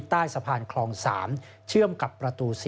ใต้สะพานคลอง๓เชื่อมกับประตู๔